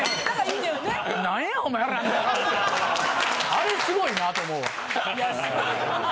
あれすごいなと思う。